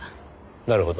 なるほど。